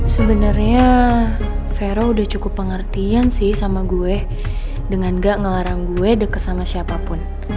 sebenarnya vero udah cukup pengertian sih sama gue dengan gak ngelarang gue deket sama siapapun